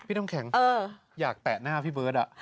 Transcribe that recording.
พี่น้องแข็งเอออยากแตะหน้าพี่เบิร์ดอะ